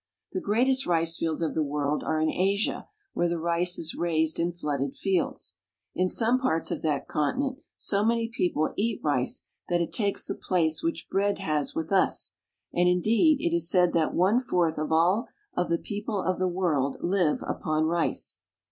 The greatest ricefields of the world are in Asia, where the rice is raised in flooded fields. In some parts of that continent so many people eat rice that it takes the place A Ricefield. which bread has with us, and, indeed, it is said that one fourth of all of the people of the world live upon rice.